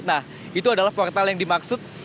nah itu adalah portal yang dimaksud